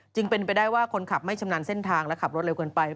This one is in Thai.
จึงเป็นไปได้ว่าคนขับไม่ชำนาญเส้นทางและขับรถเร็วเกินไป